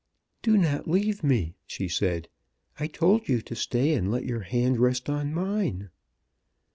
"Do not leave me," she said. "I told you to stay and let your hand rest on mine."